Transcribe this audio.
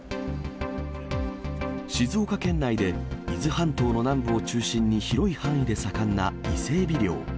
静岡県内で、伊豆半島の南部を中心に広い範囲で盛んな伊勢エビ漁。